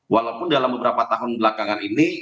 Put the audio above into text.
walaupun dalam beberapa tahun belakangan ini